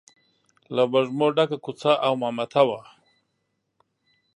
له وږمو ډکه کوڅه او مامته وه.